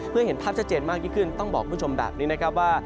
เห็นภาพชัดเจนมากยิ่งขึ้นต้องบอกคุณผู้ชมแบบนี้นะครับว่า